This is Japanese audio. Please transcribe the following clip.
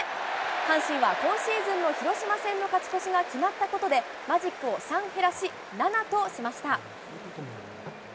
阪神は今シーズンの広島戦の勝ち越しが決まったことでマジックを３減らし、７としました。